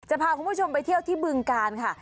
พาคุณผู้ชมไปเที่ยวที่บึงกาลค่ะ